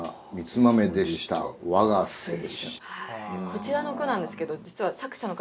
こちらの句なんですけど実は作者の方